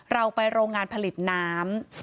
เราไปโรงงานผลิตน้ำ